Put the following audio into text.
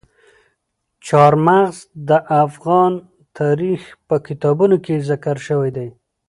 چار مغز د افغان تاریخ په کتابونو کې ذکر شوی دي.